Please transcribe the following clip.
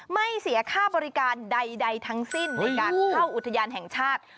ไม่เสียค่าบริการใดทั้งสิ้นในการเข้าอุทยานแห่งชาติ